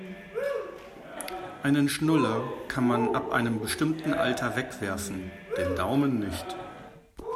Einen Schnuller kann man ab einem bestimmten Alter wegwerfen, den Daumen nicht.